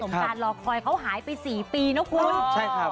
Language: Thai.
มาร้อยเขาหายไปสี่ปีนะครับ